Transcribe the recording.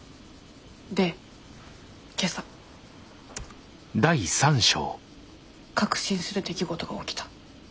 で今朝確信する出来事が起きた。